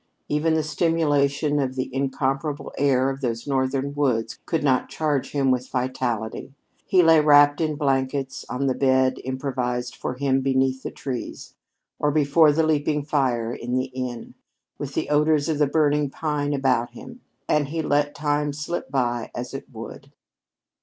Even the stimulation of the incomparable air of those Northern woods could not charge him with vitality. He lay wrapped in blankets, on the bed improvised for him beneath the trees, or before the leaping fire in the inn, with the odors of the burning pine about him, and he let time slip by as it would.